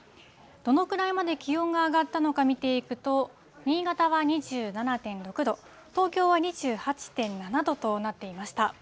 どのくらいまで気温が上がったのか見ていくと、新潟は２７．６度、東京は２８．７度となっていました。